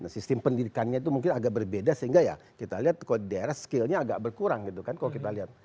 sistem pendidikannya itu mungkin agak berbeda sehingga ya kita lihat daerah skillnya agak berkurang gitu kan kalau kita lihat